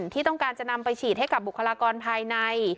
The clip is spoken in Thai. ที่ต้องการจะนำไปฉีดให้กับบุคลากรภายใน